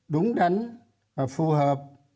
đúng đắn và phù hợp